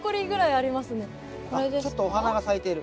あちょっとお花が咲いてる。